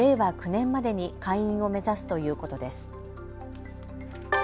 ９年までに開院を目指すということです。